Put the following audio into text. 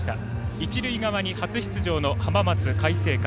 一塁側に初出場の浜松開誠館。